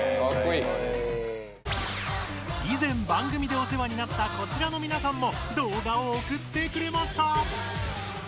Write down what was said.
いぜん番組でおせわになったこちらのみなさんも動画を送ってくれました！